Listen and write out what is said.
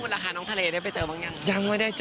วันราคาน้องทะเลได้ไปเจอบางอย่าง